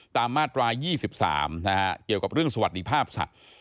ตามมาตรา๒๓เกี่ยวกับเรื่องสวัสดีภาพสัตว์